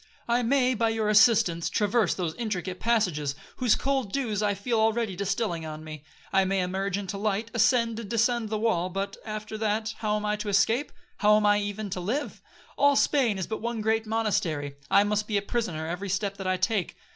I may, by your assistance, traverse those intricate passages, whose cold dews I feel already distilling on me. I may emerge into light, ascend and descend the wall, but, after that, how am I to escape?—how am I even to live? All Spain is but one great monastery,—I must be a prisoner every step that I take.'